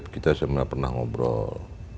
kita sebenarnya pernah ngobrol